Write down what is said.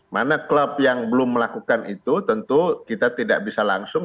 mana klub yang belum melakukan itu tentu kita tidak bisa langsung